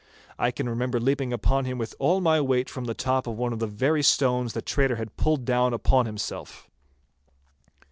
I can remember leaping upon him with all my weight from the top of one of the very stones the traitor had pulled down upon himself.